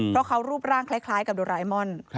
เพราะเขารูปร่างคล้ายกับโดไรมอน